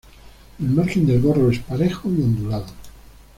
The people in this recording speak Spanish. El margen del gorro es parejo y ondulado.